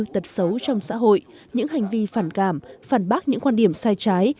tật xấu trong xã hội những hành vi phản cảm phản bác những quan điểm sai trái